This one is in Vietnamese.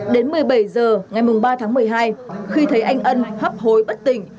đến một mươi bảy h ngày ba tháng một mươi hai khi thấy anh ân hập hối bất tỉnh